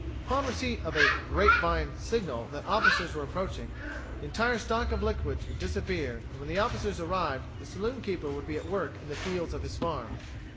Upon receipt of a "grapevine" signal that officers were approaching, the entire stock of liquids would disappear and when the officers arrived the saloonkeeper would be at work in the fields of his farm.